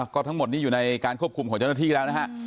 ก็ทั้งมถอยู่ในการควบคุมของเจ้าหน้าที่ละคระ